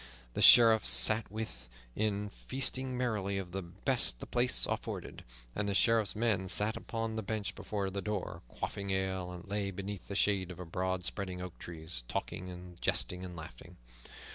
The Sheriff sat within, feasting merrily of the best the place afforded, and the Sheriff's men sat upon the bench before the door, quaffing ale, or lay beneath the shade of the broad spreading oak trees, talking and jesting and laughing.